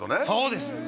そうです。